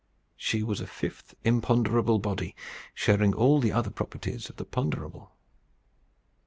She was a fifth imponderable body, sharing all the other properties of the ponderable.